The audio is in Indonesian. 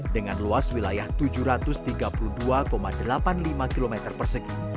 dengan luas wilayah tujuh ratus tiga puluh dua delapan puluh lima km persegi